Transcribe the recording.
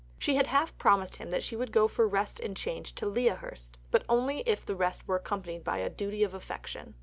She had half promised him that she would go for rest and change to Lea Hurst; but only if the rest were accompanied by a duty of affection.